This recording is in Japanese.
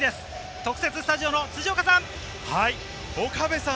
特設スタジオの辻岡さん。